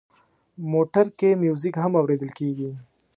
موټر کې میوزیک هم اورېدل کېږي.